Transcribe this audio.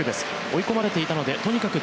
追い込まれていたのでとにかく